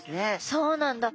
そうなんだ。